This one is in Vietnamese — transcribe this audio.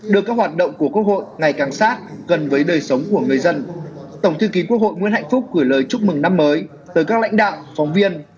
đưa các hoạt động của quốc hội ngày càng sát gần với đời sống của người dân tổng thư ký quốc hội nguyễn hạnh phúc gửi lời chúc mừng năm mới tới các lãnh đạo phóng viên